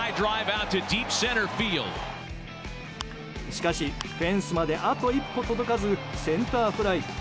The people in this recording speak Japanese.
しかし、フェンスまであと一歩届かずセンターフライ。